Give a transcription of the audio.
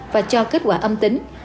và cho kết quả âm tính